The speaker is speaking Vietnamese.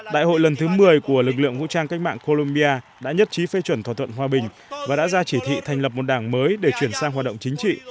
đại hội lần thứ một mươi của lực lượng vũ trang cách mạng colombia đã nhất trí phê chuẩn thỏa thuận hòa bình và đã ra chỉ thị thành lập một đảng mới để chuyển sang hoạt động chính trị